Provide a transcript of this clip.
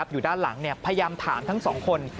อยู่ด้านหลังพยายามถามทั้งสองคน